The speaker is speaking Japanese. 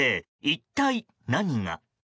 一体何が。